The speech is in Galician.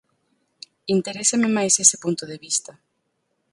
Interésame máis ese punto de vista.